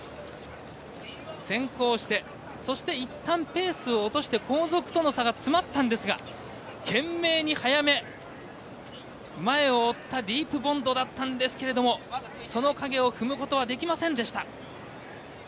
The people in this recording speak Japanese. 先行して、そしていったんペースを落として、後続との差が詰まったんですが、懸命に早め前を追ったディープボンドだったんですけれどもその影を踏むことはできませんでした。